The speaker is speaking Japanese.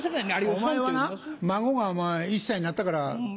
お前はな孫が１歳になったから。